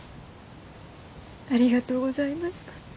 ありがとうございます。